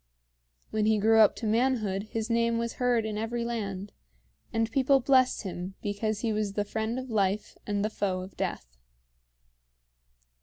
When he grew up to manhood his name was heard in every land, and people blessed him because he was the friend of life and the foe of death.